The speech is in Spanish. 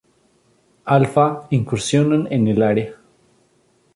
Alpha" incursionan en el área.